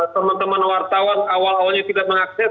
teman teman wartawan awal awalnya tidak mengakses